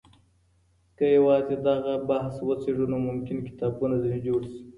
که يوازي دغه بحث وڅيړو، نو ممکن کتابونه ځني جوړ سي